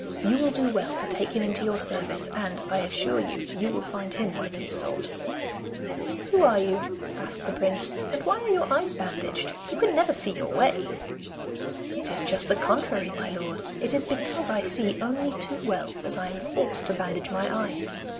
You will do well to take him into your service, and, I assure you, you will find him worth his salt.' 'Who are you?' asked the prince. 'And why are your eyes bandaged? You can never see your way!' 'It is just the contrary, my lord! It is because I see only too well that I am forced to bandage my eyes.